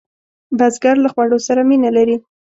بزګر له خوړو سره مینه لري